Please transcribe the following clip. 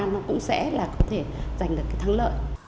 nó cũng sẽ là có thể giành được cái thắng lợi